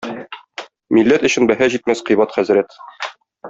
Милләт өчен бәһа җитмәс кыйбат хәзрәт.